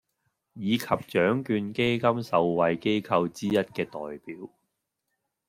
以及獎卷基金受惠機構之一嘅代表